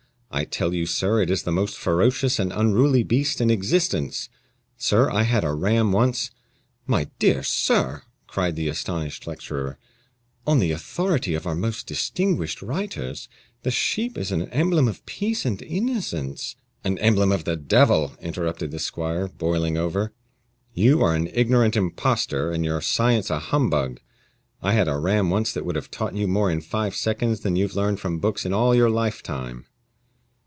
I tell you, sir, it is the most ferocious and unruly beast in existence. Sir, I had a ram once " "My dear sir," cried the astonished lecturer, "on the authority of our most distinguished writers, the sheep is an emblem of peace and innocence." "An emblem of the devil," interrupted the squire, boiling over. "You are an ignorant impostor, and your science a humbug. I had a ram once that would have taught you more in five seconds than you've learned from books in all your lifetime."